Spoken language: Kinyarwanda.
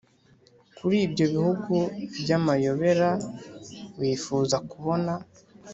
kuri ibyo bihugu byamayobera wifuza kubona: